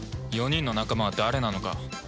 ４人の仲間は誰なのか？